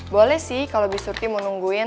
boleh sih kalau bi surti mau nungguin